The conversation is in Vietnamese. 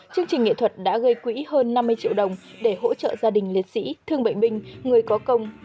chương trình nghệ thuật đã gây quỹ hơn năm mươi triệu đồng để hỗ trợ gia đình liệt sĩ thương bệnh binh người có công